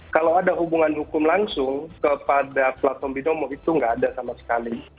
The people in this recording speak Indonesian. kalau ada hubungan hukum langsung kepada platform binomo itu nggak ada sama sekali